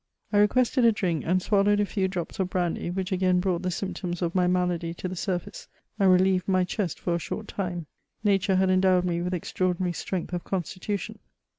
I requested a drink, and swallowed a few drops of brandy, which again brought the symptoms of my malady to the sumbce, and relieved my chest for a short time ; nature had endowed me with extraordinary strength of constitution.